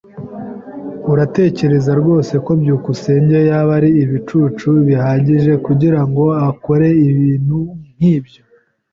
Uratekereza rwose ko byukusenge yaba ari ibicucu bihagije kugirango akore ikintu nkicyo?